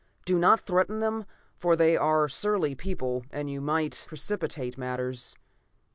Do not threaten them, for they are a surly people and you might precipitate matters.